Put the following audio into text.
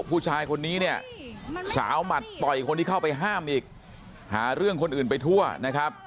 ผู้ชายคนนี้เนี่ยสาวหมัดต่อยคนที่เข้าไปห้ามอีกหาเรื่องคนอื่นไปทั่วนะครับ